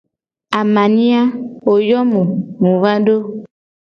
Amania, wo yo mu mu va do.